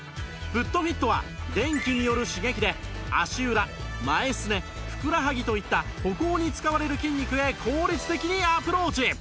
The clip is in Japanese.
フットフィットは電気による刺激で足裏前すねふくらはぎといった歩行に使われる筋肉へ効率的にアプローチ